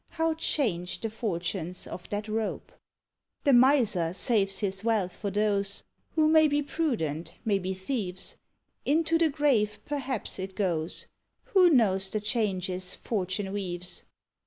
How changed the fortunes of that rope! The miser saves his wealth for those Who may be prudent, may be thieves; Into the grave perhaps it goes: Who knows the changes Fortune weaves?